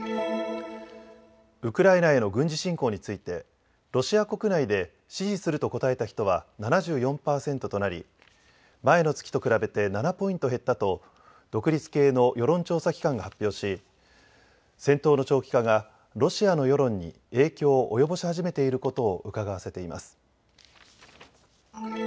ウクライナへの軍事侵攻についてロシア国内で支持すると答えた人は７４％となり前の月と比べて７ポイント減ったと独立系の世論調査機関が発表し戦闘の長期化がロシアの世論に影響を及ぼし始めていることをうかがわせています。